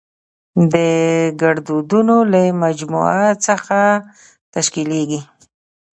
د ګړدودونو له مجموعه څخه تشکېليږي.